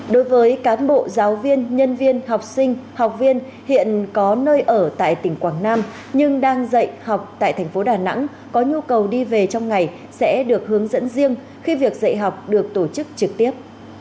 đối với cán bộ giáo viên nhân viên học sinh học viên hiện có nơi ở tại tỉnh quảng nam nhưng đang dạy học tại thành phố đà nẵng có nhu cầu đi về trong ngày sẽ được hướng dẫn riêng khi việc dạy học được tổ chức trực tiếp